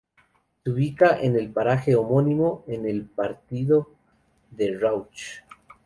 Se ubica en el paraje homónimo, en el partido de Rauch.